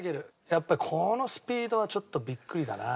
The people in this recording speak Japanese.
やっぱりこのスピードはちょっとビックリだな。